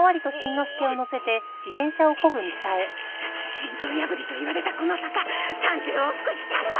心臓破りといわれたこの坂３０往復しちゃるわ！